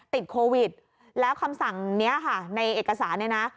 ติดโควิดแล้วคำสั่งนี้ค่ะในเอกสารเนี่ยนะ